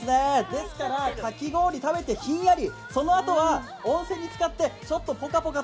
ですからかき氷食べてひんやり。